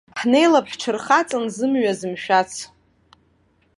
Ҳнеилап ҳҽырхаҵан зымҩа зымшәац.